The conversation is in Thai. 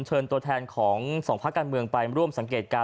เชิญตัวแทนของสองภาคการเมืองไปร่วมสังเกตการณ